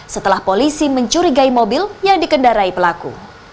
setelah polisi mencurigai mobil yang dikendarai pelaku